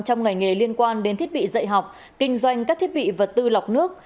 trong ngành nghề liên quan đến thiết bị dạy học kinh doanh các thiết bị vật tư lọc nước